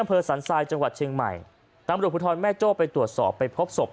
อำเภอสันทรายจังหวัดเชียงใหม่นำบริโภคภูมิธรรมแม่โจ้ไปตรวจสอบ